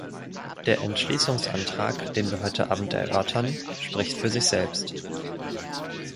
Der Entschließungsantrag, den wir heute Abend erörtern, spricht für sich selbst.